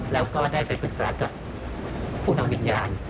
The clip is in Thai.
แล้วก็ได้ไปปรึกษากับผู้นำวิญญาณ